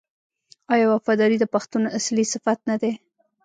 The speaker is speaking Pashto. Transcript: آیا وفاداري د پښتون اصلي صفت نه دی؟